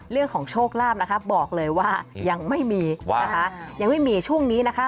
เรื่องของโชคลาภนะคะบอกเลยว่ายังไม่มีนะคะยังไม่มีช่วงนี้นะคะ